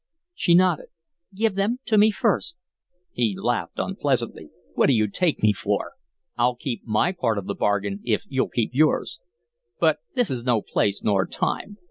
She nodded. "Give them to me first." He laughed unpleasantly. "What do you take me for? I'll keep my part of the bargain if you'll keep yours. But this is no place, nor time.